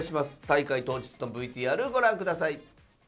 大会当日のＶＴＲご覧ください。